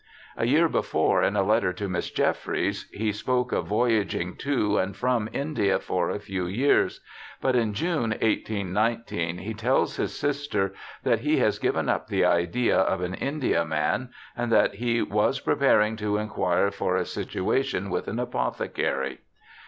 A year before, in a letter to Miss Jeffreys, he spoke of voyaging to and from India for a few years, but in June, 1819, he tells his sister that he has given up the idea of an Indiaman, and that he 'was preparing to enquire for a situation with an apothecary'.